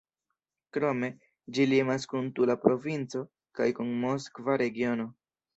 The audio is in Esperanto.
Krome, ĝi limas kun Tula provinco kaj kun Moskva regiono.